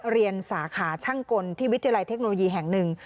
เรียนสาขาช่างกลที่วิทยาลัยเทคโนโลยีแห่งหนึ่ง